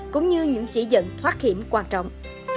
cũng như những chỉ dẫn thoát khiểm quan trọng